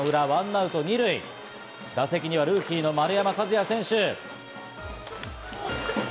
１アウト２塁、打席にはルーキー・丸山和郁選手。